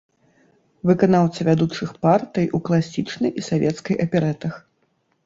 Выканаўца вядучых партый у класічнай і савецкай аперэтах.